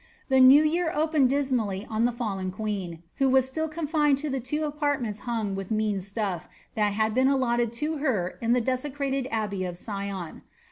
The new year opened dismally on the (alien queen, who was still confined to the two apartments hung with mean stufij that had beea allotted to her in the desecrated Abbey of Sion.